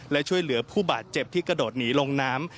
และช่วยเหลือผู้บาดเจ็บที่กระโดดหนีลงน้ำ